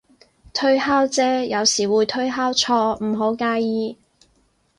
推敲啫，有時會推敲錯，唔好介意